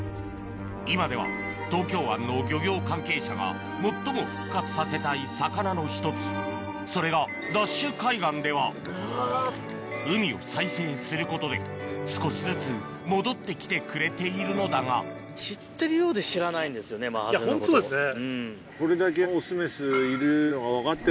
今では東京湾の漁業関係者が最も復活させたい魚の１つそれがＤＡＳＨ海岸では海を再生することで少しずつ戻ってきてくれているのだがホントそうですね。